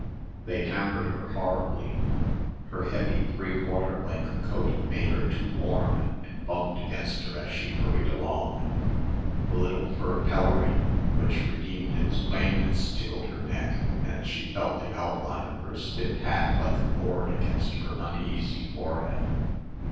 They hampered her horribly. Her heavy three quarter length cloth coat made her too warm and bumped against her as she hurried along the little fur pelerine which redeemed its plainness tickled her neck and she felt the outline of her stiff hat like a board against her uneasy forehead.